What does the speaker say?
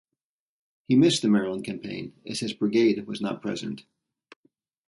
He missed the Maryland Campaign as his brigade was not present.